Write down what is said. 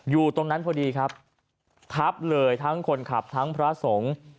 อยู่ตรงนั้นพอดีครับทับเลยทั้งคนขับทั้งพระสงฆ์